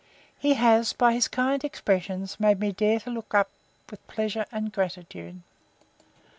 He has, by his kind expressions, made me dare to look up with pleasure and gratitude.